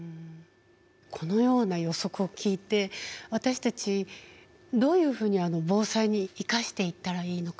このような予測を聞いて私たちどういうふうに防災に生かしていったらいいのか。